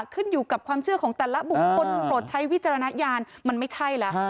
ขึ้นอยู่กับความเชื่อของแต่ละบุคคลโปรดใช้วิจารณญาณมันไม่ใช่ล่ะ